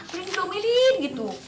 pergi di domilin gitu